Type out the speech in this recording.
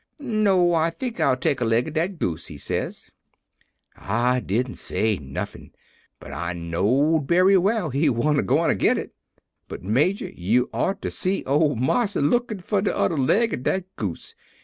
"'No; I think I'll take a leg of dat goose,' he says. "I didn't say nuffin', but I knowed bery well he wa'n't a gwine to git it. "But, Major, you oughter seen ole marsa lookin' for der udder leg ob dat goose!